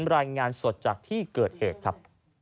รายงานสดจากที่เกิดเหตุครับ